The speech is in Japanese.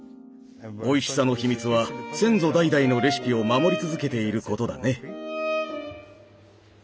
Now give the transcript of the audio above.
おいしさの秘密は先祖代々のレシピを守り続けていることだね。